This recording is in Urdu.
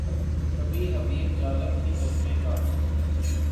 کبھی حبیب جالب کی نظمیں گا۔